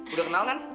udah kenal kan